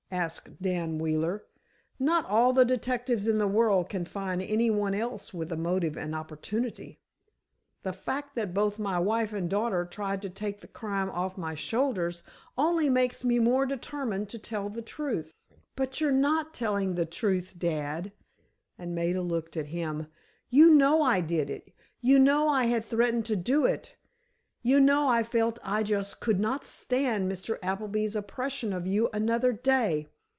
asked Dan Wheeler. "Not all the detectives in the world can find any one else with a motive and opportunity. The fact that both my wife and daughter tried to take the crime off my shoulders only makes me more determined to tell the truth." "But you're not telling the truth, dad," and Maida looked at him. "You know I did it—you know I had threatened to do it—you know I felt I just could not stand Mr. Appleby's oppression of you another day!